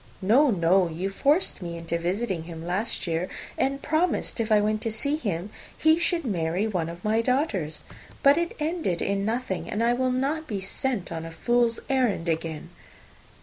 "No, no. You forced me into visiting him last year, and promised, if I went to see him, he should marry one of my daughters. But it ended in nothing, and I will not be sent on a fool's errand again."